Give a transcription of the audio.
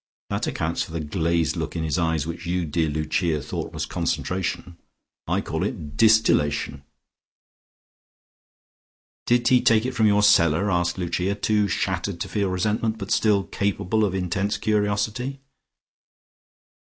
That accounts for the glazed look in his eyes which you, dear Lucia, thought was concentration. I call it distillation." "Did he take it from your cellar?" asked Lucia, too shattered to feel resentment, but still capable of intense curiosity.